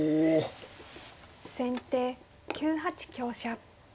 先手９八香車。